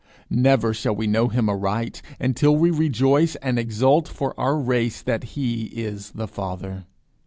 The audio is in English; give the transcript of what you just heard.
Never shall we know him aright until we rejoice and exult for our race that he is the Father.